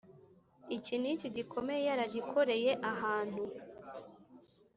Iki n iki gikomeye yaragikoreye ahantu